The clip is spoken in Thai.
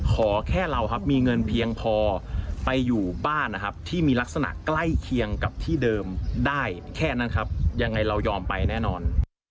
ขอแค่เราครับมีเงินเพียงพอไปอยู่บ้านนะครับที่มีลักษณะใกล้เคียงกับที่เดิมได้แค่นั้นครับยังไงเรายอมไปแน่นอน